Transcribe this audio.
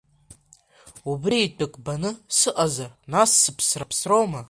Убри итәык баны сыҟазар, нас сыԥсра ԥсроума?!